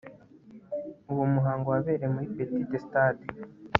uwo muhango wabereye muri petit stade